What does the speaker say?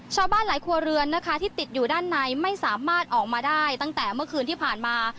ชาวบ้านหลายครัวเรือนนะคะที่ติดอยู่ด้านในไม่สามารถออกมาได้ตั้งแต่เมื่อคืนที่ผ่านมา